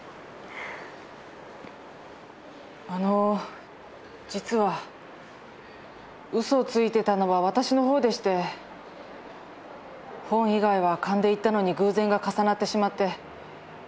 あの実はウソをついていたのは私の方でして本以外は勘で言ったのに偶然が重なってしまって。